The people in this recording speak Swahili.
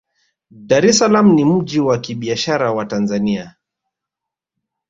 dar es salaam ni mji wa kibiashara wa tanzania